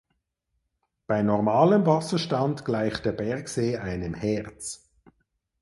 Bei normalem Wasserstand gleicht der Bergsee einem Herz.